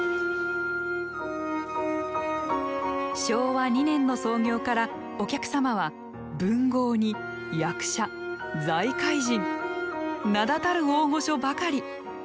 昭和２年の創業からお客様は文豪に役者財界人名だたる大御所ばかり。